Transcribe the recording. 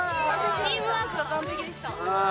チームワークが完璧でした。